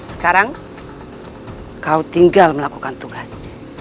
sekarang kau tinggal melakukan tugas